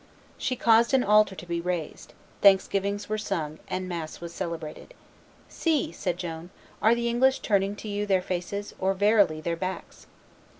She caused an altar to be raised; thanksgivings were sung, and mass was celebrated. "See!" said Joan; "are the English turning to you their faces, or verily their backs?"